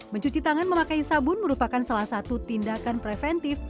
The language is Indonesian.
mencuci tangan memakai sabun merupakan salah satu tindakan preventif